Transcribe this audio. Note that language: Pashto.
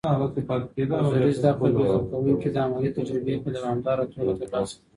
حضوري زده کړه به زده کوونکي د عملي تجربه په دوامداره توګه ترلاسه کړي.